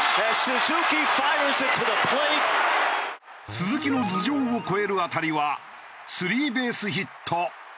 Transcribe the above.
鈴木の頭上を越える当たりはスリーベースヒット。